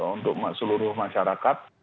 untuk seluruh masyarakat